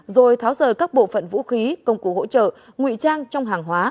rồi tháo rời các bộ phận vũ khí công cụ hỗ trợ nguy trang trong hàng hóa